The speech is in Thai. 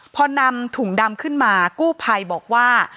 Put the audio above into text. พอนำถุงดำขึ้นมากู้ภัยบอกว่า